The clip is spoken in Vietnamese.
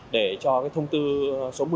để cho cái thông tư số một mươi